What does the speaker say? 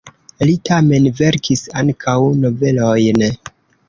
Li tamen verkis ankaŭ novelojn.